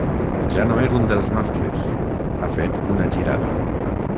Ja no és dels nostres: ha fet una girada.